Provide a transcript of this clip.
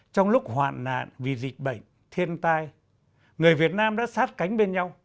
trong lúc hoạn nạn vì dịch bệnh thiên tai người việt nam đã sát cánh bên nhau